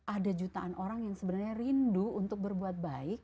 ada jutaan orang yang sebenarnya rindu untuk berbuat baik